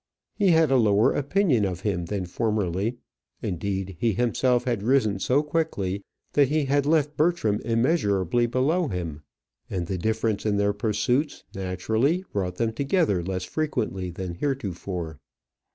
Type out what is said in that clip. He had a lower opinion of him than formerly. Indeed, he himself had risen so quickly that he had left Bertram immeasurably below him, and the difference in their pursuits naturally brought them together less frequently than heretofore.